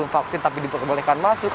atau belum vaksin tapi diperbolehkan masuk